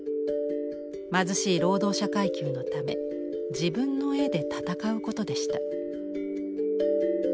貧しい労働者階級のため自分の絵で闘うことでした。